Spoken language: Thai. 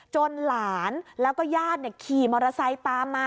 หลานแล้วก็ญาติขี่มอเตอร์ไซค์ตามมา